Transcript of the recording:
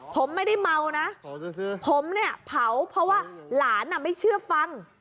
ผมไม่ได้เมานะผมเนี่ยเผาเพราะว่าหลานไม่เชื่อฟัง